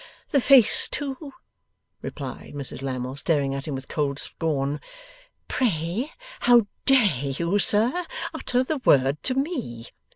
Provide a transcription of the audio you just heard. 'The face, too!' replied Mrs Lammle, staring at him with cold scorn. 'Pray, how dare you, sir, utter the word to me?